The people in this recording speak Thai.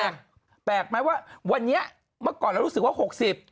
แปลกแปลกไหมว่าวันนี้เมื่อก่อนเรารู้สึกว่าหกสิบ